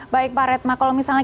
baik pak redma kalau misalnya